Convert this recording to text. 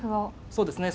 そうですね。